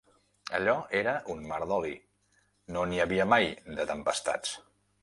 Allò era un mar d'oli, no n'hi havia mai de tempestats